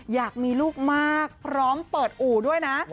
อยากมีลูกมากพร้อมเปิดอู่ด้วยนะ